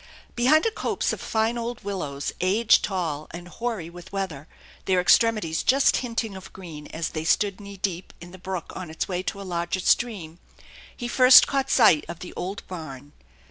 Behind a copse of fine old willows, age tall and hoary with weather, their extremities just hinting of green, as they stood knee deep in the brook on its way to a larger stream, he first caught sight of the old barn.